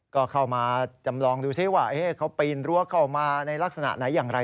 ก็เข้ามาจำลองดูซิว่าเขาปีนรั้วเข้ามาในลักษณะไหนอย่างไร